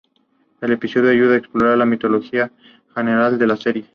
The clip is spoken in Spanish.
El episodio ayuda a explorar la mitología general de la serie.